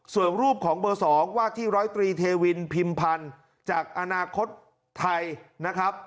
ส่วนรูปของเบอร์๒ว่าที่ร้อยตรีเทวินพิมพันธ์จากอนาคตไทยนะครับ